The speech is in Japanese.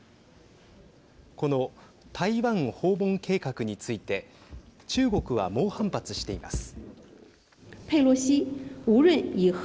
この台湾訪問計画について中国は猛反発しています。